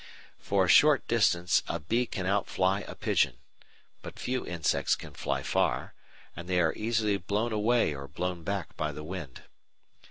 For a short distance a bee can outfly a pigeon, but few insects can fly far, and they are easily blown away or blown back by the wind.